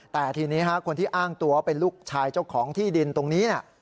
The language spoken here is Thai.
แต่ทีนี้คนที่อ้างตัวเป็นลูกชายเจ้าของที่ดินตรงนี้